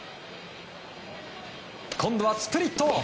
今度はスプリット。